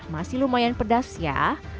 masih lumayan pedas ya